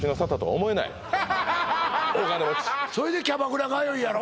それでキャバクラ通いやろ？